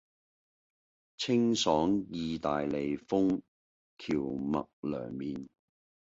清爽義大利風蕎麥涼麵